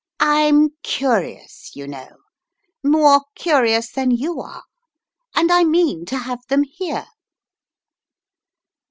"I'm curious, you know, more curious than you are. And I mean to have them here."